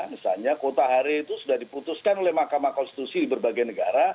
misalnya kuota hari itu sudah diputuskan oleh mahkamah konstitusi di berbagai negara